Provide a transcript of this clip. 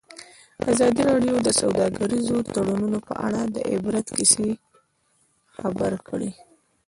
ازادي راډیو د سوداګریز تړونونه په اړه د عبرت کیسې خبر کړي.